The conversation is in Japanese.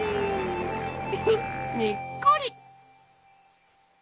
ウフ！にっこり！